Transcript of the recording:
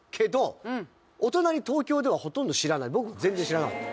僕全然知らなかった。